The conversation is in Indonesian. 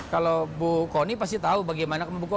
kalau bu kony pasti tahu bagaimana